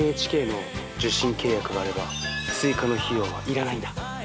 ＮＨＫの受信契約があれば追加の費用は要らないんだ。